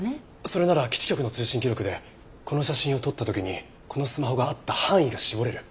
それなら基地局の通信記録でこの写真を撮った時にこのスマホがあった範囲が絞れる。